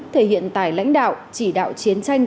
thể hiện tài lãnh đạo chỉ đạo chiến tranh